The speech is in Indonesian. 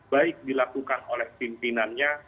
baik dilakukan oleh pimpinannya